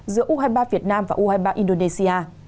giữa u hai mươi ba việt nam và u hai mươi ba indonesia